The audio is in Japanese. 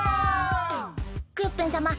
クヨッペンさま